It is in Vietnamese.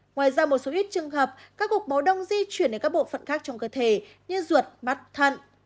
ngoài ra một số ít trường hợp các cục bố đông di chuyển đến các bộ phận khác trong cơ thể như ruột mắt thận